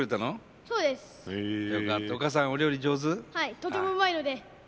とてもうまいので。